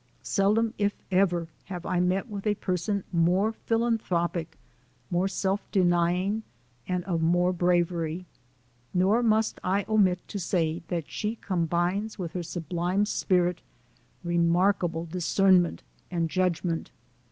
Seldom, if ever, have I met with a person LIFE OF HARRIET TDBHAN. 67 more philanthropic, more self denying, and of more bravery. Nor must I omit to say that she com bines with her sublime spirit, remarkable discern ment and judgment.